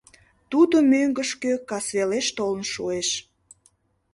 — Тудо мӧҥгышкӧ касвелеш толын шуэш.